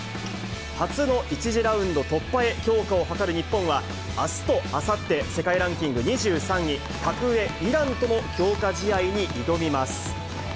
初の１次ラウンド突破へ、強化を図る日本は、あすとあさって、世界ランキング２３位、格上、イランとの強化試合に挑みます。